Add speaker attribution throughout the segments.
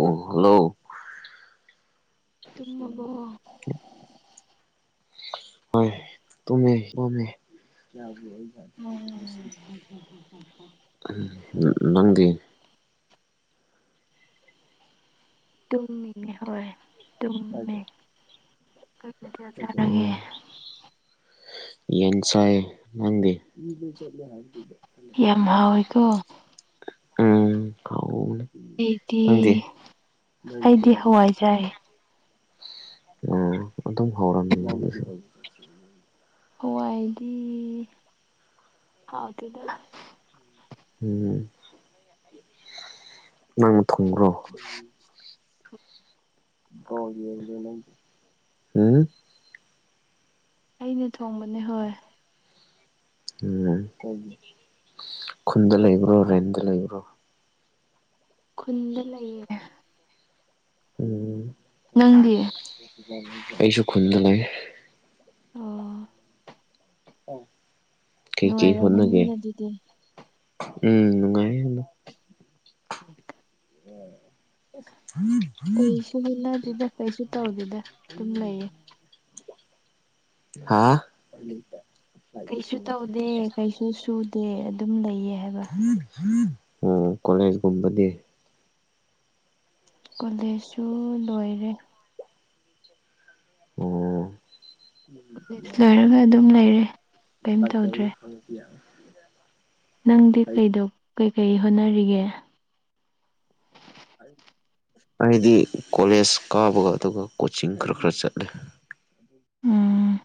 Speaker 1: ꯑꯣ ꯍꯜꯂꯣ
Speaker 2: ꯇꯨꯝꯃꯕꯣ
Speaker 1: ꯍ ꯇꯨꯝꯃꯦ ꯇꯨꯃꯦ
Speaker 2: ꯎꯝ
Speaker 1: ꯎ ꯅꯪꯗꯤ
Speaker 2: ꯇꯨꯝꯃꯤꯅꯦ ꯍꯣꯏ ꯇꯨꯝꯃꯦ ꯀꯔꯤꯖꯔꯒꯦ
Speaker 1: ꯑꯣ ꯌꯦꯟ ꯆꯥꯏꯌꯦ ꯅꯪꯗꯤ
Speaker 2: ꯌꯥꯝ ꯍꯥꯎꯋꯦꯀꯣ
Speaker 1: ꯎꯝ ꯈꯥꯎꯅꯦ
Speaker 2: ꯑꯩꯗꯤ
Speaker 1: ꯅꯪꯗꯤ
Speaker 2: ꯑꯩꯗꯤ
Speaker 1: UNINTELLIGIBLE
Speaker 2: ꯍꯋꯥꯏ ꯆꯥꯏ
Speaker 1: ꯎ ꯑꯗꯨꯝ ꯍꯥꯎꯔꯝꯅꯤ ꯅꯪꯒꯤꯁꯨ
Speaker 2: ꯍꯋꯥꯏꯒꯤ ꯍꯥꯎꯇꯗ
Speaker 1: ꯎꯝ ꯅꯪꯅ ꯊꯣꯡꯕ꯭ꯔꯣ UNINTELLIGIBLE ꯎꯝ
Speaker 2: ꯑꯩꯅ ꯊꯣꯡꯕ
Speaker 1: [unintelligible] ꯎꯝ ꯈꯨꯟꯗ ꯂꯩꯕ꯭ꯔꯣ ꯔꯦꯟꯗ ꯂꯩꯕ꯭ꯔꯣ
Speaker 2: ꯈꯨꯟꯗ ꯂꯩꯌꯦ
Speaker 1: ꯎꯝ
Speaker 2: ꯅꯪꯗꯤ
Speaker 1: ꯑꯩꯁꯨ ꯈꯨꯟꯗ ꯂꯩ
Speaker 2: ꯑꯣ
Speaker 1: ꯀꯩ ꯀꯩ ꯍꯣꯠꯅꯒꯦ
Speaker 2: ꯅꯨꯡꯉꯥꯏꯔꯝꯒꯅꯤꯅꯦ ꯑꯗꯨꯗꯤ
Speaker 1: ꯎꯝ ꯅꯨꯡꯉꯥꯏ ꯑꯗꯣ UNINTELLIGIBLE UNINTELLIGIBLE
Speaker 2: ꯀꯩꯁꯨ ꯍꯠꯅꯗꯦꯗ ꯀꯩꯁꯨ ꯇꯧꯗꯦꯗ ꯑꯗꯨꯝ ꯂꯩꯌꯦ
Speaker 1: ꯍꯥꯥ
Speaker 2: ꯀꯩꯁꯨ ꯇꯧꯗꯦ ꯀꯩꯁꯨ ꯁꯨꯗꯦ ꯑꯗꯨꯝ ꯂꯩꯌꯦ ꯍꯥꯏꯕ
Speaker 1: ꯑꯣ ꯀꯣꯂꯦꯖꯒꯨꯝꯕꯗꯤ
Speaker 2: ꯀꯣꯂꯦꯖꯁꯨ ꯂꯣꯏꯔꯦ
Speaker 1: ꯑꯣ
Speaker 2: ꯀꯣꯂꯦꯖ ꯂꯣꯏꯔꯒ ꯑꯗꯨꯝ ꯂꯩꯔꯦ ꯀꯔꯤꯝ ꯇꯧꯗ꯭ꯔꯦ
Speaker 1: ꯌꯥ
Speaker 2: ꯅꯪꯗꯤ ꯀꯩꯗꯣ ꯀꯩꯀꯩ ꯍꯣꯠꯅꯔꯤꯒꯦ
Speaker 1: ꯑꯩꯗꯤ ꯀꯣꯂꯦꯖ ꯀꯥꯕꯒ ꯑꯗꯨꯒ ꯀꯣꯆꯤꯡ ꯈꯔ ꯈꯔ ꯆꯠꯂꯦ
Speaker 2: ꯎꯝ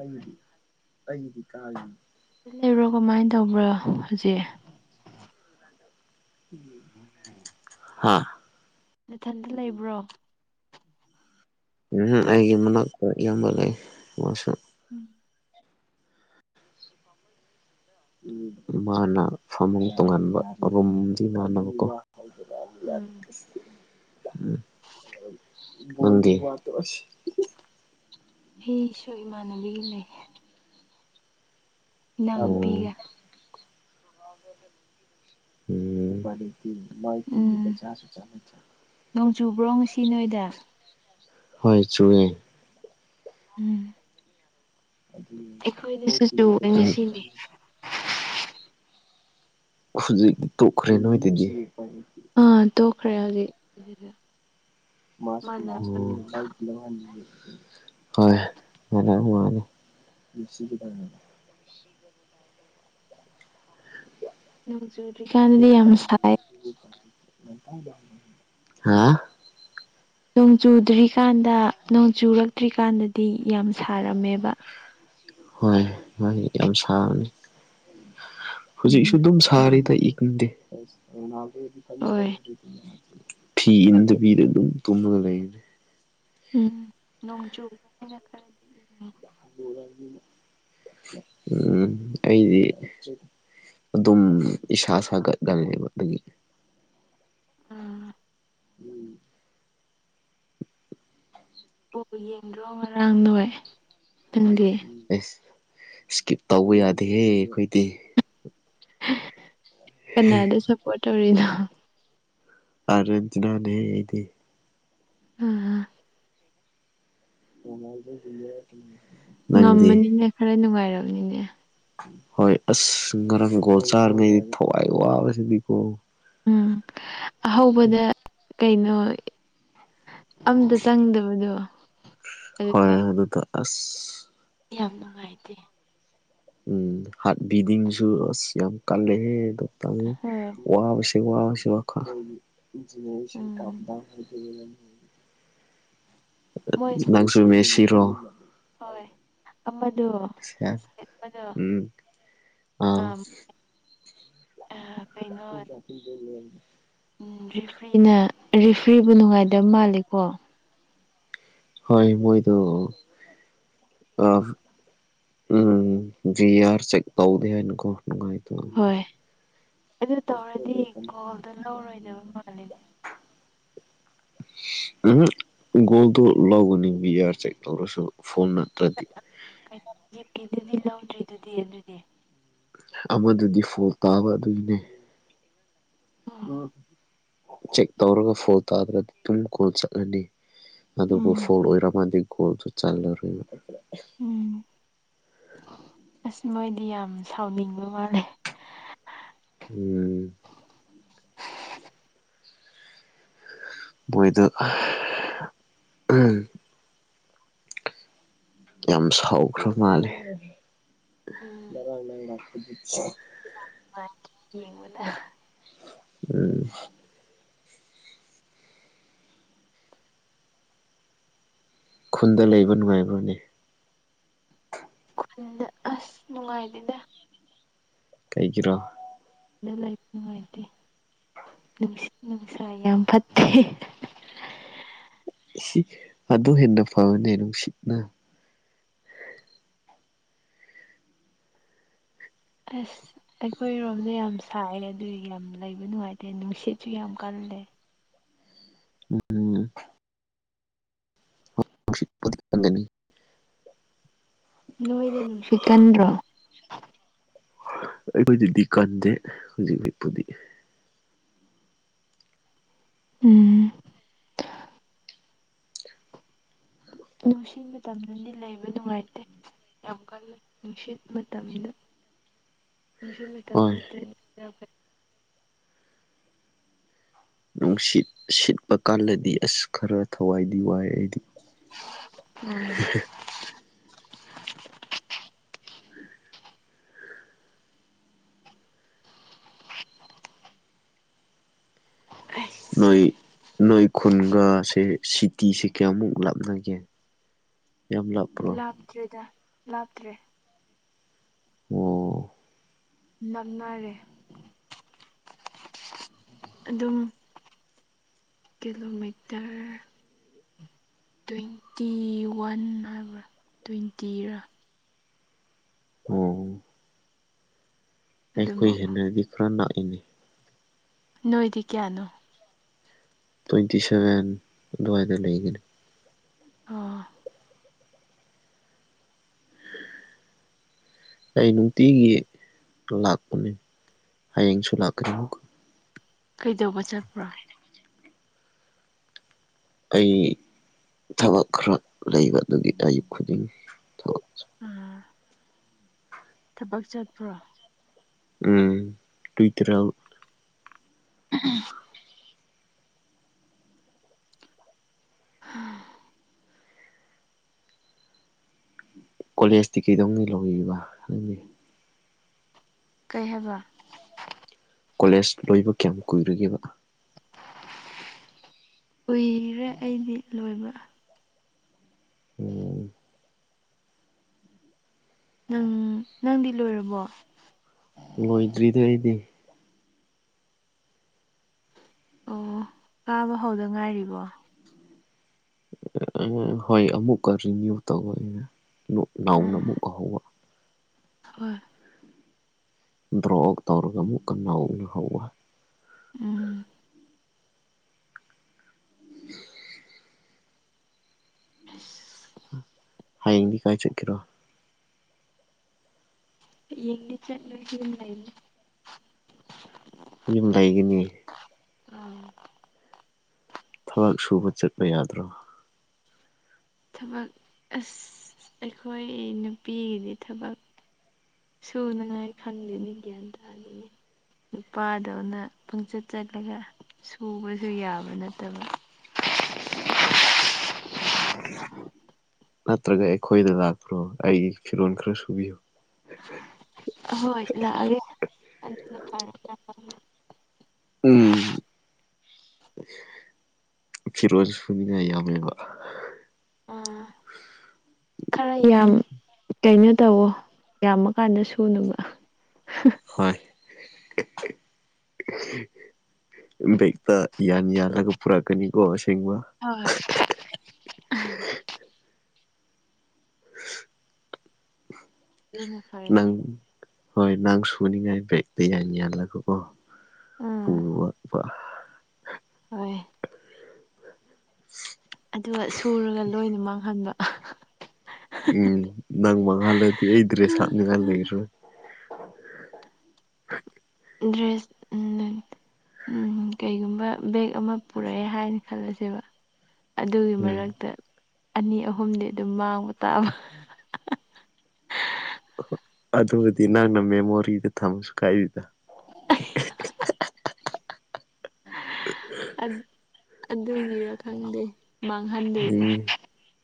Speaker 1: ꯑꯩꯗꯤ ꯑꯩꯗꯤ ꯀ
Speaker 2: ꯂꯩꯕ꯭ꯔꯣ ꯀꯃꯥꯏꯅ ꯇꯧꯕ꯭ꯔꯣ ꯍꯧꯖꯤꯛ
Speaker 1: UNINTELLIGIBLE
Speaker 2: UNINTELLIGIBLE
Speaker 1: ꯍꯥ
Speaker 2: ꯅꯊꯟꯇ ꯂꯩꯕ꯭ꯔꯣ
Speaker 1: ꯎꯝ ꯑꯩꯒꯤ ꯃꯅꯥꯛ ꯈ꯭ꯋꯥꯏ ꯏꯌꯥꯝꯕ ꯂꯩ ꯃꯥꯁꯨ
Speaker 2: ꯎꯝ
Speaker 1: ꯃꯥꯅ ꯐꯃꯨꯡ ꯇꯣꯉꯥꯟꯕ ꯏꯃꯥꯟꯅꯕꯀꯣ
Speaker 2: ꯎꯝ
Speaker 1: ꯅꯪꯗꯤ
Speaker 2: ꯑꯩꯁꯨ ꯏꯃꯥꯟꯅꯕꯤꯒ ꯂꯩ ꯏꯅꯥꯎ
Speaker 1: ꯑꯣ
Speaker 2: ꯅꯨꯄꯤꯒ
Speaker 1: ꯎꯝꯅꯤ ꯃꯣꯏ ꯀꯤꯜꯂꯤꯀ
Speaker 2: ꯎꯝ
Speaker 1: ꯆꯁꯨ ꯆ
Speaker 2: ꯅꯣꯡ ꯆꯨꯕ꯭ꯔꯣ ꯉꯁꯤ ꯅꯣꯏꯗ
Speaker 1: ꯍꯣꯏ ꯆꯨꯔꯌꯦ
Speaker 2: ꯎꯝ ꯑꯩꯈꯣꯏꯗꯁꯨ ꯆꯨ
Speaker 1: ꯎꯝ
Speaker 2: ꯉꯁꯤꯅꯤ
Speaker 1: ꯍꯧꯖꯤꯛ ꯇꯣꯛꯈ꯭ꯔꯦ ꯅꯣꯏꯗꯒꯤ
Speaker 2: ꯑꯥ ꯇꯣꯛꯈ꯭ꯔꯦ ꯍꯧꯖꯤꯛ ꯃꯥꯟꯅ
Speaker 1: ꯃꯥꯁꯤ UNINTELLIGIBLE ꯍꯣꯏ ꯍꯔ ꯃꯥ
Speaker 2: ꯅꯣꯡ ꯆꯨꯗ꯭ꯔꯤꯀꯥꯟꯗꯗꯤ ꯌꯥꯝ ꯁꯥꯏ
Speaker 1: ꯎꯝ ꯍꯥꯥ
Speaker 2: ꯅꯣꯡ ꯆꯨꯗ꯭ꯔꯤꯀꯥꯟꯗ ꯅꯣꯡ ꯆꯨꯔꯛꯇ꯭ꯔꯤꯀꯥꯟꯗꯗꯤ ꯌꯥꯝ ꯁꯥꯔꯝꯃꯦꯕ
Speaker 1: ꯍꯣꯏ ꯃꯣꯏꯗꯤ ꯌꯥꯝ ꯁꯥꯕꯅꯤ
Speaker 2: ꯎꯝ
Speaker 1: ꯍꯧꯖꯤꯛꯁꯨ ꯑꯗꯨꯝ ꯁꯥꯔꯤꯗ ꯏꯪꯪꯗꯦ
Speaker 2: ꯍꯣꯏ
Speaker 1: ꯐꯤ ꯏꯅꯗꯕꯤꯗ ꯑꯗꯨꯝ ꯇꯨꯝꯂꯒ ꯂꯩꯔꯦ
Speaker 2: ꯎꯝ ꯅꯣꯡ ꯆꯨꯕꯅꯤꯅ ꯈꯔ
Speaker 1: ꯎꯝ ꯑꯩꯗꯤ ꯑꯗꯨꯝ ꯏꯁꯥ ꯁꯥꯒꯠꯂꯒ ꯂꯩ ꯑꯗꯨꯒꯤ
Speaker 2: ꯎꯝ
Speaker 1: ꯎꯝ
Speaker 2: ꯌꯦꯡꯗ꯭ꯔꯣ ꯉꯔꯥꯡ ꯅꯣꯏꯏ ꯈꯪꯗꯦ
Speaker 1: ꯑꯦꯁ ꯏꯁꯀꯤꯞ ꯇꯧꯕ ꯌꯥꯗꯦꯍꯦ ꯑꯩꯈꯣꯏꯗꯤ
Speaker 2: ꯀꯅꯥꯗ ꯁꯞꯄꯣꯔꯠ ꯇꯧꯔꯤꯅꯣ
Speaker 1: ꯑꯔꯖꯦꯟꯇꯤꯅꯥꯅꯦ ꯑꯩꯗꯤ
Speaker 2: ꯑꯥ
Speaker 1: ꯅꯨꯪꯉꯥꯏꯖꯩ ꯍꯨꯏꯌꯦ ꯇꯨꯝ [unintelligible]
Speaker 2: ꯉꯝꯃꯅꯤꯅ ꯈꯔ ꯅꯨꯡꯉꯥꯏꯔꯝꯅꯤꯅꯦ
Speaker 1: ꯍꯣꯏ ꯑꯁ ꯉꯔꯥꯡ ꯒꯣꯜ ꯆꯥꯔꯤꯉꯩ ꯊꯋꯥꯏ ꯋꯥꯕꯁꯤꯗꯤꯀꯣ
Speaker 2: ꯎꯝ ꯑꯍꯧꯕꯗ ꯀꯩꯅꯣ ꯑꯝꯇ ꯆꯪꯗꯕꯗꯣ
Speaker 1: ꯍꯣꯏ ꯑꯗꯨꯗ ꯑꯁ
Speaker 2: ꯌꯥꯝ ꯅꯨꯡꯉꯥꯏꯇꯦ
Speaker 1: ꯎꯝ ꯍꯥꯔꯠ ꯕꯤꯗꯤꯡꯁꯨ ꯑꯁ ꯌꯥꯝ ꯀꯜꯂꯦꯍꯦ ꯑꯗꯨꯏ ꯇꯥꯏꯃꯤꯡꯗꯣ
Speaker 2: ꯍꯣꯏ
Speaker 1: ꯋꯥꯕꯁꯤ ꯋꯥꯕꯁꯤ ꯋꯥꯈꯜ
Speaker 2: ꯎꯝ ꯃꯣꯏ
Speaker 1: ꯅꯪꯁꯨ ꯃꯦꯁꯤꯔꯣ
Speaker 2: ꯍꯣꯏ ꯑꯃꯗꯣ ꯑꯃꯗꯣ
Speaker 1: ꯎꯝ ꯑꯧ
Speaker 2: ꯑꯝ ꯑꯥ ꯀꯩꯅꯣ
Speaker 1: ꯆꯄꯤꯗ ꯂꯩ
Speaker 2: ꯎꯝ ꯔꯤꯐ꯭ꯔꯤꯅ ꯔꯤꯐ꯭ꯔꯤꯕꯨ ꯅꯨꯡꯉꯥꯏꯗꯕ ꯃꯥꯜꯂꯤꯀꯣ
Speaker 1: ꯍꯣꯏ ꯃꯣꯏꯗꯨ ꯑ ꯎꯝ ꯚꯤꯑꯥꯔ ꯆꯦꯛ ꯇꯧꯗꯦ ꯍꯥꯏꯅꯀꯣ ꯅꯨꯡꯉꯥꯏꯇꯕ [unintelligible]
Speaker 2: ꯍꯣꯏ ꯑꯗꯨ ꯇꯧꯔꯗꯤ ꯒꯣꯜꯗꯣ ꯂꯧꯔꯣꯏꯗꯕ ꯃꯥꯜꯂꯦꯅꯦ
Speaker 1: [inaudible] ꯎꯝ ꯒꯣꯜꯗꯨ ꯂꯧꯒꯅꯤ ꯕꯤꯑꯥꯔ ꯆꯦꯛ ꯇꯧꯔꯁꯨ ꯐꯣꯡꯅ ꯇꯗꯤ
Speaker 2: ꯀꯩꯩꯅꯣ ꯌꯦꯞꯀꯦꯗꯨꯗꯤ ꯂꯧꯗ꯭ꯔꯤꯗꯨꯗꯤ ꯑꯗꯨꯗꯤ
Speaker 1: ꯑꯃꯗꯨꯗꯤ ꯐꯣꯜ ꯇꯥꯕ ꯑꯗꯨꯏꯅꯦ ꯆꯦꯛ ꯇꯧꯔꯒ ꯐꯣꯜ ꯇꯥꯗ꯭ꯔꯗꯤ ꯑꯗꯨꯝ ꯀꯣꯜ ꯆꯠꯂꯅꯤ ꯑꯗꯨꯕꯨ
Speaker 2: ꯎꯝ
Speaker 1: ꯐꯣꯜ ꯑꯣꯏꯔꯝꯃꯗꯤ ꯒꯣꯜꯁꯨ ꯆꯜꯂꯔꯣꯏ
Speaker 2: ꯎꯝ ꯑꯁ ꯃꯣꯏꯗꯤ ꯌꯥꯝ ꯁꯥꯎꯅꯤꯡꯕ ꯃꯥꯜꯂꯦ
Speaker 1: ꯎꯝ ꯃꯣꯏꯗꯨ [unintelligible] ꯌꯥꯝ ꯁꯥꯎꯈ꯭ꯔꯕ ꯃꯥꯜꯂꯦ
Speaker 2: ꯎꯝ
Speaker 1: [unintelligible]
Speaker 2: [unintelligible] [inaudible]
Speaker 1: ꯎꯝ ꯈꯨꯟꯗ ꯂꯩꯕ ꯅꯨꯡꯉꯥꯏꯕꯔꯣꯅꯦ
Speaker 2: ꯈꯨꯟꯗ ꯑꯁ ꯅꯨꯡꯉꯥꯏꯗꯦꯗ
Speaker 1: ꯀꯩꯒꯤꯔꯣ
Speaker 2: ꯈꯨꯟꯗ ꯂꯩ ꯅꯨꯡꯉꯥꯏꯇꯦ ꯅꯨꯡꯁꯤꯠ ꯅꯨꯡꯁꯥ ꯌꯥꯝ ꯐꯠꯇꯦ
Speaker 1: ꯁꯤ ꯑꯗꯨ ꯍꯦꯟꯅ ꯐꯕꯅꯦ ꯅꯨꯡꯁꯤꯠꯅ
Speaker 2: ꯑꯁ ꯑꯩꯈꯣꯏꯔꯣꯝꯗ ꯌꯥꯝ ꯁꯥꯏꯌꯦ ꯑꯗꯨꯏꯒꯤ ꯌꯥꯝ ꯂꯩꯕ ꯅꯨꯡꯉꯥꯏꯇꯦ ꯅꯨꯡꯁꯤꯠꯁꯨ ꯌꯥꯝ ꯀꯜꯂꯦ
Speaker 1: ꯎꯝ ꯎꯝ ꯅꯨꯡꯁꯤꯠꯄꯨꯗꯤ ꯀꯜꯂꯅꯤ
Speaker 2: ꯅꯣꯏꯗ ꯅꯨꯡꯁꯤꯠ ꯀꯟꯗ꯭ꯔꯣ
Speaker 1: ꯑꯩꯈꯣꯏꯗꯗꯤ ꯀꯟꯗꯦ ꯍꯧꯖꯤꯛꯄꯨꯗꯤ
Speaker 2: ꯎꯝ ꯅꯨꯡꯁꯤ ꯃꯇꯝꯗꯗꯤ ꯂꯩꯕ ꯅꯨꯡꯉꯥꯏꯇꯦ ꯌꯥꯝ ꯀꯜꯂꯦ ꯅꯨꯡꯁꯤꯠ ꯃꯇꯝꯗ ꯅꯨꯡꯁꯤꯠ ꯃꯇꯝꯗ
Speaker 1: ꯍꯣꯏ
Speaker 2: ꯅꯠꯇꯔ꯭ꯗꯤ ꯌꯥꯝ
Speaker 1: ꯅꯨꯡꯁꯤꯠ ꯁꯤꯠꯄ ꯀꯥꯟꯗꯗꯤ ꯑꯁ ꯈꯔ ꯊꯋꯥꯏꯗꯤ ꯋꯥꯏ ꯑꯩꯗꯤ
Speaker 2: ꯎꯝ ꯑꯁ
Speaker 1: ꯅꯣꯏ ꯅꯣꯏ ꯈꯨꯟꯒ ꯁꯦ ꯁꯤꯇꯤꯁꯦ ꯀꯌꯥꯃꯨꯛ ꯂꯥꯞꯅꯒꯦ ꯌꯥꯝ ꯂꯥꯞꯄ꯭ꯔꯣ
Speaker 2: ꯂꯥꯞꯇ꯭ꯔꯦꯗ ꯂꯥꯞꯇ꯭ꯔꯦ
Speaker 1: ꯑꯣ
Speaker 2: ꯅꯛꯅꯔꯦ ꯑꯗꯨꯝ ꯀꯤꯂꯣꯃꯤꯇꯔ ꯇ꯭ꯋꯦꯟꯇꯤ ꯋꯥꯟ ꯍꯥꯏꯕ꯭ꯔꯥ ꯇ꯭ꯋꯦꯟꯇꯤꯔꯥ
Speaker 1: ꯑꯣ ꯑꯩꯈꯣꯏ
Speaker 2: ꯑꯗꯨꯃꯨꯛ
Speaker 1: ꯍꯦꯟꯅꯗꯤ ꯈꯔ ꯂꯥꯛꯏꯅꯤ
Speaker 2: ꯅꯣꯏꯗꯤ ꯀꯌꯥꯅꯣ
Speaker 1: ꯇ꯭ꯋꯦꯟꯇꯤ ꯁꯚꯦꯟ ꯑꯗꯨꯋꯥꯏꯗ ꯂꯩꯒꯅꯤ
Speaker 2: ꯑꯣ
Speaker 1: ꯑꯩ ꯅꯨꯡꯇꯤꯒꯤ ꯂꯥꯛꯄꯅꯦ ꯍꯌꯦꯡꯁꯨ ꯂꯥꯛꯀꯅꯤ
Speaker 2: ꯀꯩꯗꯧꯕ ꯆꯠꯄ꯭ꯔꯣ
Speaker 1: ꯑꯩ ꯊꯕꯛ ꯈꯔ ꯂꯩꯕ ꯑꯗꯨꯒꯤ ꯑꯌꯨꯛ ꯈꯨꯗꯤꯡꯒꯤ
Speaker 2: ꯎꯝ ꯊꯕꯛ ꯆꯠꯄ꯭ꯔꯣ
Speaker 1: ꯎꯝ ꯇꯨꯏꯇꯔꯥꯎ
Speaker 2: ꯎꯝ ꯎꯝ ꯎꯝ
Speaker 1: ꯀꯣꯂꯦꯖ ꯇꯤꯀꯩꯗꯧꯅ ꯂꯧꯕꯤꯕ ꯈꯪ
Speaker 2: ꯀꯩ ꯍꯥꯏꯕ
Speaker 1: ꯀꯣꯂꯦꯖ ꯂꯣꯏꯕ ꯀꯌꯥꯝ ꯀꯨꯏꯔꯒꯦꯕ
Speaker 2: ꯀꯨꯏꯔꯦ ꯑꯩꯗꯤ ꯂꯣꯏꯕ
Speaker 1: ꯎꯝ
Speaker 2: ꯅꯪ ꯅꯪꯗꯤ ꯂꯣꯏꯔꯕꯣ
Speaker 1: ꯂꯣꯏꯗ꯭ꯔꯤꯗꯤ ꯑꯩꯗꯤ
Speaker 2: ꯑꯣ ꯀꯥꯕ ꯍꯧꯎꯗ ꯉꯥꯏꯔꯤꯕꯣ
Speaker 1: ꯍꯣꯏ ꯑꯃꯨꯛꯀ ꯔꯤꯅ꯭ꯌꯨ ꯇꯧꯕ ꯑꯩꯅ ꯅꯥꯎꯅ
Speaker 2: ꯎꯝ
Speaker 1: ꯑꯃꯨꯛꯀ ꯍꯧꯕ
Speaker 2: ꯍꯣꯏ
Speaker 1: ꯗ꯭ꯔꯣ ꯑꯠ ꯇꯧꯔꯒ ꯑꯃꯨꯛꯀ ꯅꯧꯅ ꯍꯧꯋꯦ
Speaker 2: ꯎꯝ
Speaker 1: [inaudible] ꯍꯌꯦꯡꯗꯤ ꯀꯥꯏ ꯆꯠꯀꯔꯣ
Speaker 2: ꯌꯦꯗꯤ ꯈꯥꯊꯂꯥ ꯌꯨꯝ ꯏꯅꯤ
Speaker 1: ꯌꯨꯝ ꯂꯩꯒꯤꯅꯤ ꯊꯕꯛ ꯁꯨꯕ ꯆꯠꯄ ꯌꯥꯗ꯭ꯔꯣ
Speaker 2: ꯊꯕꯛ ꯑꯁ ꯑꯩꯈꯣꯏ ꯅꯨꯄꯤꯒꯤꯗꯤ ꯊꯕꯛ ꯁꯨꯅꯉꯥꯏ ꯈꯟꯗꯦꯅꯤ ꯒ꯭ꯌꯥꯟ ꯇꯥꯗꯅꯤ ꯅꯨꯄꯥꯗꯧꯅ ꯄꯪꯆꯠ ꯆꯠꯂꯒ ꯁꯨꯕꯁꯨ ꯌꯥꯕ ꯅꯠꯇꯕ
Speaker 1: [inaudible] ꯅꯠꯇ꯭ꯔꯒ ꯑꯩꯈꯣꯏꯗ ꯂꯥꯛꯄ꯭ꯔꯣ ꯑꯩꯒꯤ ꯐꯤꯔꯣꯜ ꯈꯔ ꯁꯨꯕꯤꯌꯨ
Speaker 2: ꯍꯣꯏ ꯂꯜꯑꯒꯦ [unintelligible]
Speaker 1: ꯎꯝ ꯐꯤꯔꯣꯜ ꯁꯨꯅꯤꯉꯥꯏ ꯌꯥꯝꯃꯦꯕ
Speaker 2: ꯑꯥ
Speaker 1: [inaudible]
Speaker 2: ꯈꯔ ꯌꯥꯝ ꯀꯩꯅꯣ ꯇꯧꯋꯣ ꯌꯥꯝꯃ ꯀꯥꯟꯗ ꯁꯨꯅꯕ
Speaker 1: ꯍꯣꯢ [unintelligible] ꯌꯥꯅꯤ ꯌꯥ ꯂꯒ ꯄꯨꯔꯛꯀꯅꯤꯀꯣ ꯁꯦꯡꯕ
Speaker 2: ꯍꯣꯏ ꯑꯗꯨꯅ
Speaker 1: ꯅꯪ
Speaker 2: ꯐꯔꯅꯤ
Speaker 1: ꯍꯣꯏ ꯅꯪ ꯁꯨꯅꯤꯉꯥꯏ ꯕ꯭ꯔꯦꯛꯇꯛꯇ ꯌꯥ ꯌꯥꯜꯂꯒꯀꯣ
Speaker 2: ꯎꯝ
Speaker 1: ꯄꯨꯄ
Speaker 2: ꯍꯣꯏ ꯑꯗꯨꯒ ꯁꯨꯔꯒ ꯂꯣꯏꯅ ꯃꯥꯡꯍꯟꯕ
Speaker 1: ꯎꯝ ꯅꯪ ꯃꯍꯥꯜꯂꯗꯤ ꯑꯩ ꯗ꯭ꯔꯦꯁ ꯍꯥꯞꯅꯤꯡꯉꯥꯏ ꯂꯩꯔꯣꯏ
Speaker 2: ꯗ꯭ꯔꯦꯁ ꯎꯝ ꯎꯝ ꯀꯩꯒꯨꯝꯕ ꯕꯦꯛ ꯑꯃ ꯄꯨꯔꯛꯑꯦ ꯍꯥꯏꯅ ꯈꯜꯂꯁꯦꯕ ꯑꯗꯨꯒꯤ
Speaker 1: ꯎꯝ
Speaker 2: ꯃꯔꯛꯇ ꯑꯅꯤ ꯑꯍꯨꯝꯗꯤ ꯑꯗꯨꯝ ꯃꯥꯡꯕ ꯇꯥꯕ
Speaker 1: ꯑꯗꯨꯕꯨꯗꯤ ꯅꯪꯅ ꯃꯦꯃꯣꯔꯤꯗ ꯊꯝꯁꯨ ꯀꯥꯏꯗꯗ
Speaker 2: ꯑꯗꯨꯒꯤꯔ ꯈꯪꯗꯦ ꯃꯥꯡꯍꯟꯗꯣꯏꯅꯦ
Speaker 1: [unintelligible]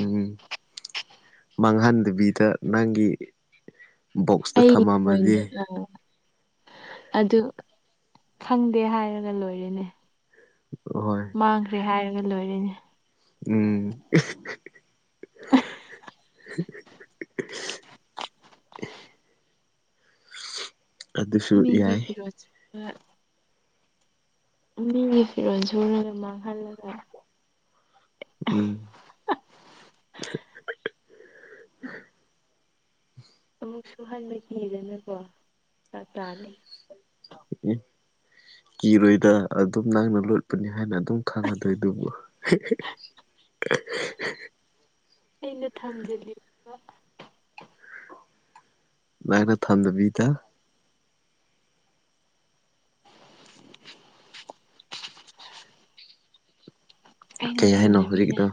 Speaker 1: ꯎꯝ ꯃꯥꯡꯍꯟꯗꯕꯤꯗ ꯅꯪꯒꯤ ꯕꯣꯛꯁꯇ
Speaker 2: ꯑꯩ
Speaker 1: ꯊꯝꯃꯝꯃꯗꯤ
Speaker 2: ꯑꯣꯏꯅ ꯑꯥ ꯑꯗꯨ ꯈꯪꯗꯦ ꯍꯥꯏꯔꯒ ꯂꯣꯏꯔꯦꯅꯦ
Speaker 1: ꯍꯣꯏ
Speaker 2: ꯃꯥꯡꯈ꯭ꯔꯦ ꯍꯥꯏꯔꯒ ꯂꯣꯏꯔꯦꯅꯦ
Speaker 1: ꯎꯝ [inaudible] ꯑꯗꯨꯁꯨ ꯌꯥꯏ
Speaker 2: ꯎꯝ ꯃꯤꯒꯤ ꯐꯤꯔꯣꯜ ꯁꯨꯔꯒ ꯃꯥꯡꯍꯜꯂꯒ
Speaker 1: ꯎꯝ
Speaker 2: ꯑꯃꯨꯛꯁꯨ ꯍꯟꯕ ꯀꯤꯗꯅꯀꯣ ꯐꯔꯨꯛ ꯇꯥꯅꯤ
Speaker 1: [unintelligible] ꯀꯤꯔꯣꯏꯗ ꯑꯗꯨꯝ ꯅꯪꯅ ꯂꯣꯠꯄꯅꯤ ꯍꯥꯏꯅ ꯑꯗꯨꯝ ꯈꯪꯉꯗꯣꯏ ꯑꯗꯨꯕꯨ
Speaker 2: ꯑꯩꯅ ꯊꯝꯖꯜꯂꯤ
Speaker 1: ꯅꯪꯅ ꯊꯝꯗꯕꯤꯗ
Speaker 2: [unintelligible] ꯑꯩꯅ
Speaker 1: ꯀꯩ ꯍꯥꯏꯅꯣ
Speaker 2: ꯊꯝꯖꯕꯤꯗ
Speaker 1: ꯍꯧꯖꯤꯛꯗ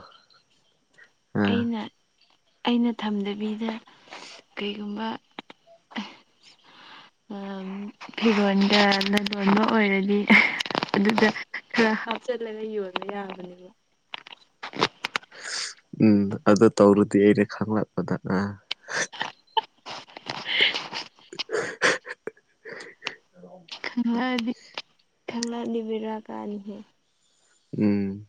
Speaker 2: ꯑꯩꯅ ꯑꯩꯅ ꯊꯝꯗꯕꯤꯗ ꯀꯩꯒꯨꯝꯕ
Speaker 1: ꯎ
Speaker 2: ꯐꯤꯔꯣꯟꯗ ꯂꯂꯣꯟꯕ ꯑꯣꯏꯔꯗꯤ ꯑꯗꯨꯗ ꯈꯔ ꯍꯥꯞꯆꯜꯂꯒ ꯌꯣꯟꯂ ꯌꯥꯕꯅꯤꯅ
Speaker 1: ꯎꯝ ꯑꯗꯨ ꯇꯧꯔꯨꯗꯤ ꯑꯩꯅ ꯈꯪꯂꯛꯄꯗ ꯑ
Speaker 2: ꯈꯪꯑꯗꯤ ꯈꯪꯪꯂꯑꯗꯤ ꯕꯤꯔꯥ ꯀꯥꯅꯤꯍꯦ
Speaker 1: ꯎꯝ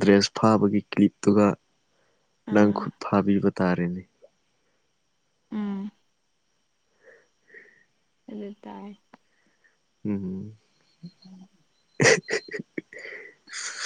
Speaker 1: ꯗ꯭ꯔꯦꯁ ꯐꯥꯕꯒꯤ ꯀ꯭ꯂꯤꯞꯇꯨꯒ ꯅꯪ
Speaker 2: ꯎꯝ
Speaker 1: ꯈꯨꯠ ꯐꯥꯕꯤꯕ ꯇꯥꯔꯦꯅꯦ
Speaker 2: ꯎꯝ ꯑꯗꯨ ꯇꯥꯏ
Speaker 1: ꯎꯝ
Speaker 2: [unintelligible]